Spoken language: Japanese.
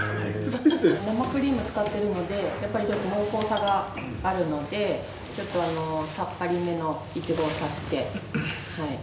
生クリーム使ってるのでやっぱりちょっと濃厚さがあるのでちょっとさっぱりめのイチゴを足してはい。